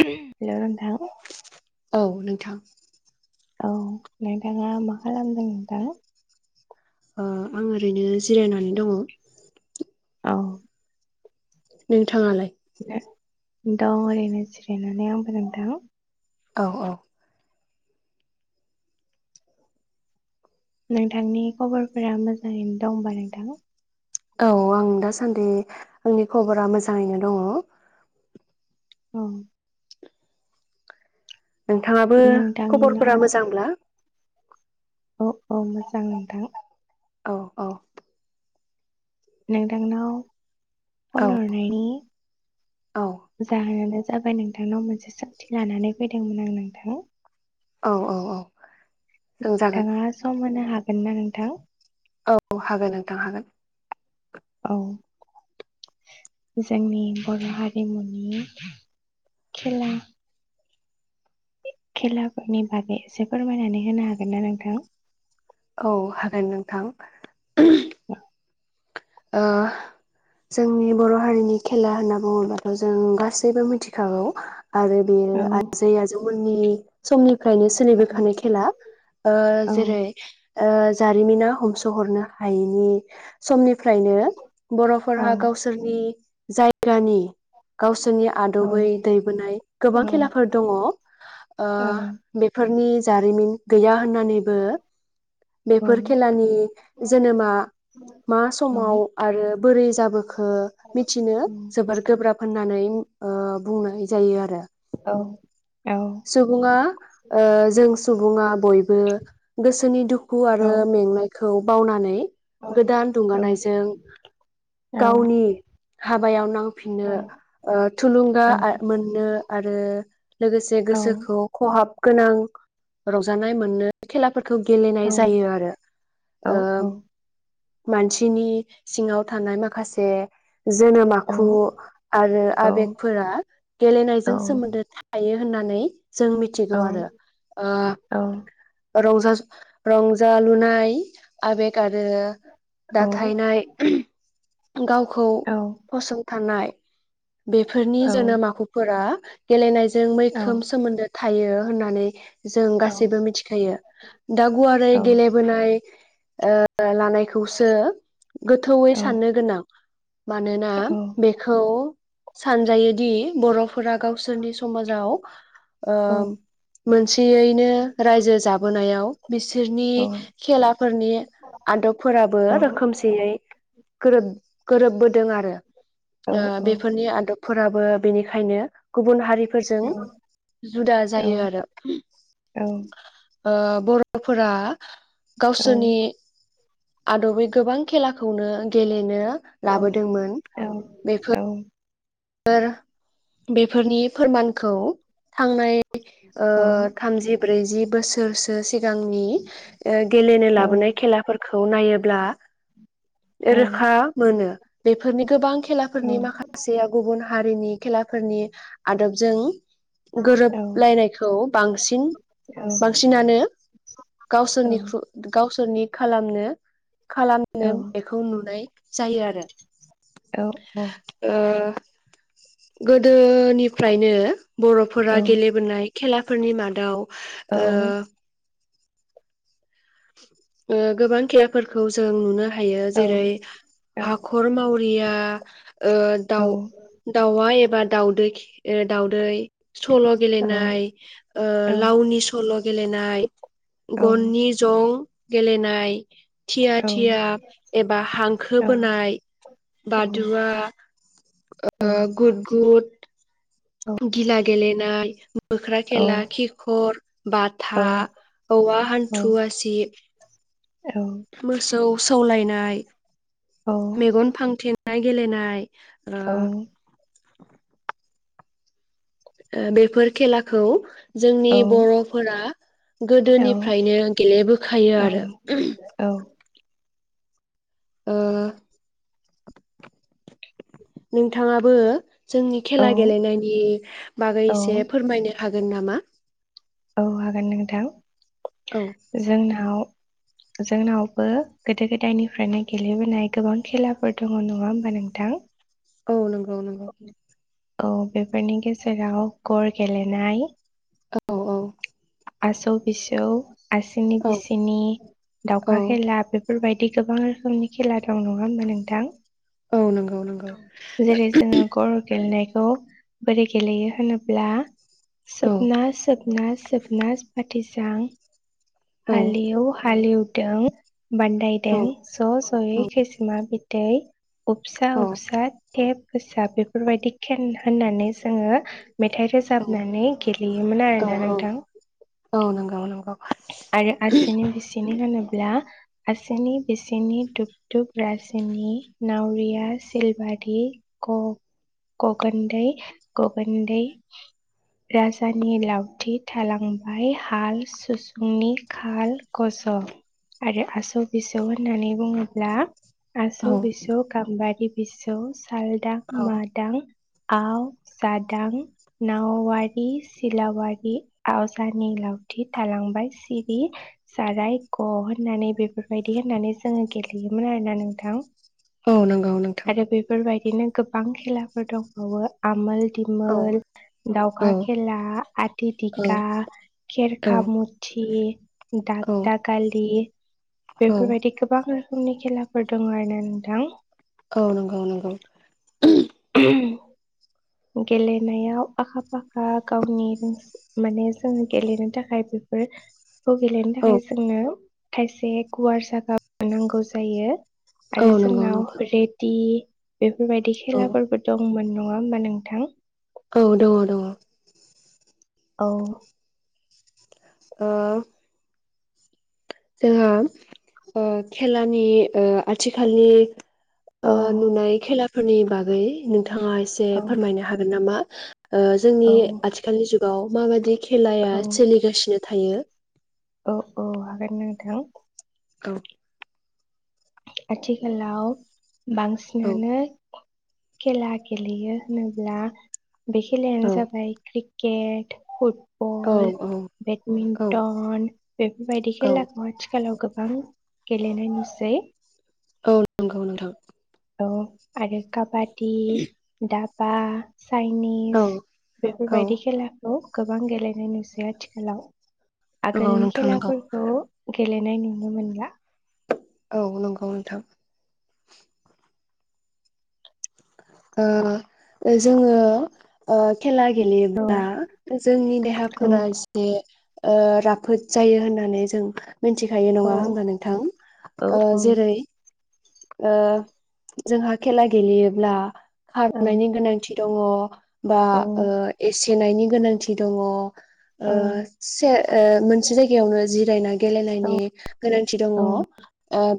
Hello नोंथां औ [inaudible] औ नोंथाङा मा खालामदों दा? ओ आं ओरैनो जिरायनानै दङ'। औ उम थाङालाय दं ओरैनो जिरायनानै आंबो नोंथां। औ औ नोंथांनि खबरफोरा मोजाङैनो दं होनबा नोंथां औ आं दासान्दि आंनि खबरा मोजाङैनो दङ'। औ नोंथाङाबो नोंथांनाव खबरफोरा मोजांब्ला? औ औ मोजां नोंथां औ औ नोंथांनाव औ फन हरनायनि औ जाहोनानो जाबाय नोंथांनाव मोनसे सोंथि लानानै फैदोंमोन आं नोंथां औ औ औ सोंजागोन नोंथाङा सम होनो हाग गोना नोंथां? औ हागोन नोंथां हागोन। औ जोंनि बर' हारिमुनि खेला खेलाफोरनि बागै एसे फोरमायनानै होनो हागोन ना नोंथां औ हागोन नोंथां ओ जोंनि बर' हारिनि खेला होनना बुङोबाथ' जों गासैबो मिथिखागौ आरो बेयो आजै आजौमोननि समनि फ्रायनो सोलिबोखानाय खेला जेरै- ओ जारिमिना हमसहरनो हायिनि समनि फ्रायनो बर'फोरहा गावसोरनि जायगानि गावसोरनि आदबै दैबोनाय गोबां खेलाफोर दंङ ओ बेफोरनि जारिमिन गैया होननानैबो बेफोर खेलानि जोनोमा मा स समाव आरो बोरै जाबोखो मिथिनो जोबोर गोब्राब होननानै ओ बुंनाय जायोआरो औ सुबुङा ओ जों सुबुङा बयबो गोसोनि दुखु आरो मेंनायखौ बावनानै गोदान दुंगानायजों गावनि हाबायाव नांफिननो ओ थुलुंगा आ मोननो आरो लोगोसे गोसोखौ खहाब गोनां रंजानाय मोननो खेलाफोरखौ गेलेनाय जायोआरो। ओ मानसिनि सिङाव थानाय माखासे जोनोम आखु आरो आबेगफोरा गेलेनायजों सोमोन्दो था थायो होननानै जों मिथिगौ आरो औ रंजा रंजालुनाय आबेग आरो दाथायनाय गावखौ फसंथानाय बेफोरनि जोनोम आखुफोरा गेलेनायजों मै खोम सोमोन्दो थायो होननानै जों गासैबो मिथिखायो। दा गुवारै गेलेबोनाय ओ लानायखौसो गोथौयै साननो गोनां, मानोना बेखौ सानजायोदि बर'फोरा गावसोरनि समाजाव मोनसेयैनो रायजो जाबोनायाव बिसोरनि खेलाफोरनि आदबफोराबो रोखोमसेयै गोरोब गोरोबबोदोंआरो। ओ बेफोरनि आदबफोराबो बेनिखायनो गुबुन हारिफोरजों जुदा जायो आरो। ओ बर'फोरा गावसोरनि आदबै गोबां खेलाखौनो गेलेनो लाबोदोंमोन। बेफोर फोर बेफोरनि फोरमानखौ थांनाय ओ थामजि ब्रैजि बोसोरसो सिगांनि गेलेनो लाबोनाय खेलाफोरखौ नायोब्ला गासैबो रोखा मोनो। बेफोरनि गोबां खेलाफोरनि माखासेया गुबुन हारिनि खेलाफोरनि आदबजों गोरोबलायनायखौ बांसिन--बांसिनानो गावसोरनिख्रु गावसोरनि खालामनो--खालामनो बेखौ नुनाय जायो आरो गोदोनिफ्रायनो बर'फोरा गेलेबोनाय खेलाफोरनि मादाव ओ ओ गोबां खेयाफोरखौ जों नुनो हायो जेरै हाखर माव गैया ओ दाउ दाउआ एफ बा दावदै ओ दावदै सल' गेलेनाय ओ लावनि सल' गेलेनाय गननि जं गेलेनाय थिया थिया एबा हांखो बोनाय बादुवा ओ गुद गुद गिला गेलेनाय मोख्रा खेला खिखर बाथा औवा हान्थु आसिब मोसौ सौलायनाय मेगन फांथेनाय गेलेनाय ओ औ ओ बेफोर खेलाखौ जोंनि बर'फोरा गोदोनिफ्रायनो गेलेबोखायो आरो ओ नोंथाङाबो जोंनि खेला गेलेनायनि बागै एसे फोरमायनो हागोन नामा औ हागोन नोंथां औ जोंनाव जोंनावबो गोदो गोदायनिफ्रायनो गेलेबोनाय गोबां खेलाफोर दङ नङा होमबा नोंथां औ नंगौ नंगौ औ बेफोरनि गेजेराव गर गेलेनाय औ औ आसौ बिसौ आसिनि औ बिसिनि औ दाउखा खेला बे बेफोरबायदि गोबां रोखोमनि खेला दं नङा होनबा नोंथां औ नंगौ नंगौ जेरै जोङो गर' गेलेनाय खौ बोरै गेलेयो होनोब्ला औ सपना सब सोबना सोबना फाथिज्रां हलि औ हलि उ दों औ बान्दायदों ज' ज'यै खृष्मा दै उपसा, औ उपसा टेप गोसा बेफोरबायदि खेन होननानै जोङो मेथाइ औ रोजाबनानै गेलेयोमोन आरो। औ औ नोंगौ नोंगौ आरो आसिनि बिसिनि होनो। अब्ला आसिनि बिसिनि दुुब दुुब राजनि नावरिया सिलबारि ग'गन्दै ग'गन्दै राजानि लावथि थालांबाय हाल सुसु फुंनि खाल गज आरो आसौ बिसौ होननानै बुङोब्ला औ आसौ बिसौ गामबारि बिसौ सालदां औ मादां आव जादां नावारि सिलावारि आवजानि लावथि थालांबाय सिरि जाराय ग' होननानै बेफोरबायदि होननानै जोङो गेलेयोमोन आरोना नोंथां। औ नंगौ नोंथां। बिदिनो गोबां खेलाफोर दंबावो आमोल औ दिमोल दावखा औ खेला आदि औ दिगा खेरखा मु ए दाग औ दाखालि औ बेफोरबायदि गोबां नि खेलाफोर दं आरोना नोंथां। औ नंगौ नंगौ। गेलेनायाव आखा फाखा गावनि माने जोङो गेलेनो थाखाय बेफोर खौ गेलेनो औ थाखाय जोंनो खायसे गुवार जागा नांगौ जायो। औ आरो नंगौ नोंथां जोंनाव रेदि बेफोरबायदि औ खेला दंमोन नङा होमबा नोंथां। औ दङ दङ। औ ओ जोङो ओ खेलानि ओ आथिखालनि औ ओ नुनाय खेला फोरनि बागै नोंथाङा एसे फोरमायनो हागोन नामा? [unintelligible] ओ औ जोंनि आथिखालनि जुगाव माबादि औ खेलाया सोलिगासिनो थायो? औ औ हागोन नोंथां। औ। आथिखालाव औ बांसिनानो खेला गेलेयो होनोब्ला बे खेलायानो औ जाबाय क्रि केट फुट औ बल औ बेडमिन्टन बेफोरबायदि औ खेलाखौ आथिखालाव गो गोबां गेलेनाय नुसै। औ नंगौ नोंथां। औ आरो काबाद दि दात बा औ चाइनिस औ बेफोरबायदि खेलाखौ गोबां गेलेनाय नुसै आथिखालाव। नंगौ आगोलनि नोंथां नंगौ खेलाफोरखौ गेलेनाय नुनो मोनला। औ नंगौ नोंथां। ओ जोङो ओ खेला औ गेलेयोब्ला जोंनि औ देहाफोरा एसे ओ राफोद जायो होननानै जों मिनथिखायो औ नङा होमब्ला नोंथां औ ओ जेरै ओ जोंहा खेला गेलेयोब्ला‌ औ खारनायनि गोनांथि दङ। बा औ ओ एस गिनायनि गोनांथि दङ। ओ औ से मोनसे जायगायावनो जिरायना औ गेलेनायनि गोनांथि दङ औ ओ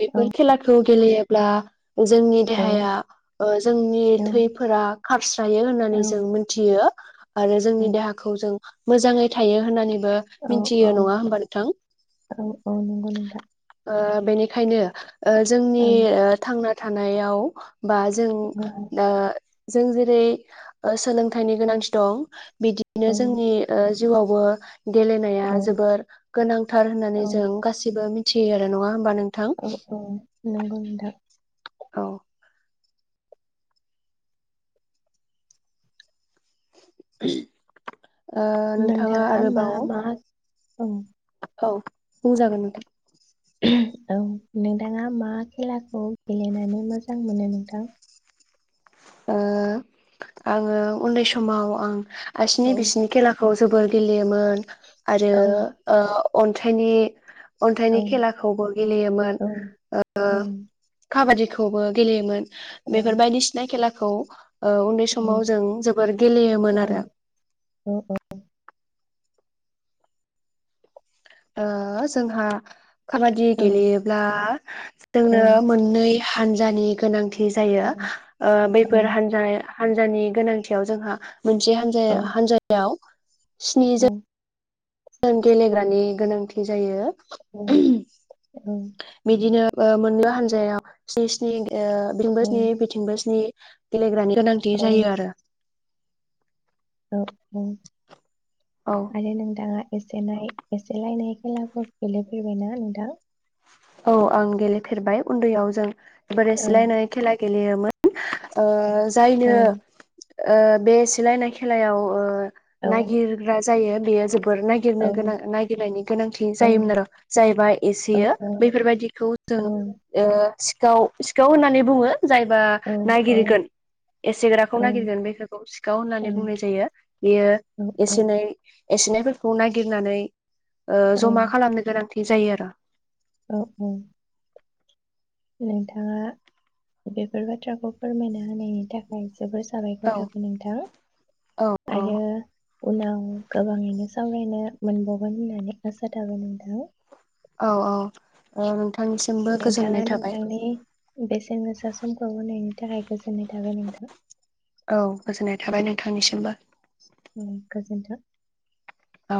बेफोर खेलाखौ ए अब्ला जोंनि देहाया ओ जोंनि थैफोरा खारस्रायो होननानै जों मोनथियो आरो जोंनि देहाखौ जों मोजाङै थायो होननानै ओ औ मिनथियो नङा होमबा नोंथां? नंगौ नोंथां ओ बेनिखायनो ओ जोंनि औ ओ थांना थानायाव बा जों औ ओ जों जेरै ओ सोलोंथाइनि गोनांथि दं। बिदिनो जोंनि ओ जिउआवबो गेलेनाया औ जोबोर गोनांथार औ होननानै जों गासिबो मिथ सो आरो नङा होनबा नों थां। औ नंगौ नोंथां। औ। [unintelligible] ओ नोंथाङा मा आरोबाव मा औ। औ बुं जागोन नोंथां। [unintelligible] औ नोंथाङा मा खेलाखौ गेलेनानै मोजां मोनो नोंथां? ओ आङो उन्दै समाव आं आसिनि औ बिसिनि खेलाखौ जोबोर गेलेयोमोन। आरो औ ओ अन्थाइनि औ अन्थाइनि खेलाखौबो गेलेयोमोन औ ओ औ खाबादि। खौबो गेलेयोमोन। औ बेफोर बायदिसिना खेला खौ। औ उन्दै औ समाव जों जोबोर गेलेयोमोन औ आरो। ओ जोंहा खाबादि औ गेलेयोब्ला जोंनो मोननै हानजानि गोनांथि जायो ओ बैफोर हानजाया हानजानि गोनांथियाव जोंहा मोनसे औ हान्जाया औ हान्जायाव औ स्निजोन। जों गेलेग्रानि गोनांथि जायो। औ औ बिदिनो ओ मोननैबो हानजायाव स्नि स्नि ओ औ बिथिंबो स्नि बिथिंबो स्नि गेलेग्रानि गोनांथि औ जायो आरो। औ औ औ आरो नोंथाङा एसेनाय एसेलायनाय खेलाफोर गेलेफेरबायना नोंथां? औ आं गेलेफेरबाय उन्दैयाव जों औ बोरैसोलायनाय खेला गे गेलेयोमोन। ओ औ जायनो ओ बे सिलायनाय खेलायाव औ नागिरग्रा जायो बेयाजोब बोर औ नागिरनो गोनां नागिरलायनो गोनांथि जायोमोन आरो जायबा औ एसेयो बैफोरबायदिखौ जों औ सिखाव सिखाव होननानै बुङो। जायबा औ औ नागिरगोन एसेग्राखौ नागिरगोन बेफोरखौ सिखाव होननानै बुंनाय जायो बेयो एसेनै एसेनायफोरखौ नागिरनानै ओ जमा खालामनो गोनांथि जायो आरो। औ औ नोंथाङा बेफोर बाथ्राखौ फोरमायना होनायनि थाखाय जोबोर साबायखर औ थाबाय नोंथां। औ औ आरो उनाव गोबाङैनो सावरायनो मोनबावगोन होननानै आसा थाबाय नोंथां। औ औ आंसिमबो नोंथाङा गोजोननाय थाबाय। नोंथांनि बेसेन गोसा समखौ होनायनि थाखाय गो जोननाय थाबाय नोंथां‌ औ गोजोननाय थाबाय नोंथांनिसिमबो। उम गोजोन्थों औ